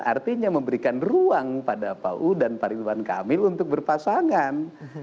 artinya memberikan ruang pada pau dan rituan kamil untuk berpasangan